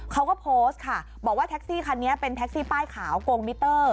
เขาก็โพสต์ค่ะบอกว่าแท็กซี่คันนี้เป็นแท็กซี่ป้ายขาวโกงมิเตอร์